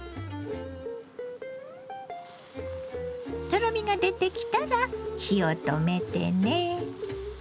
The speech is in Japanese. とろみが出てきたら火を止めてね。